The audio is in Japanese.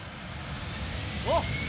あっ！